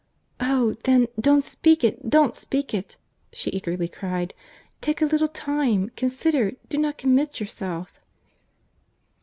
"Oh! then, don't speak it, don't speak it," she eagerly cried. "Take a little time, consider, do not commit yourself."